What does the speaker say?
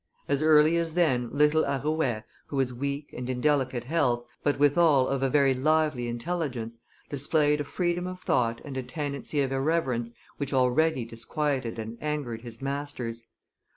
As early as then little Arouet, who was weak and in delicate health, but withal of a very lively intelligence, displayed a freedom of thought and a tendency of irreverence which already disquieted and angered his masters.